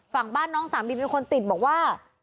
ฝั่งบ้านน้องสามีเป็นคนติดบอกว่า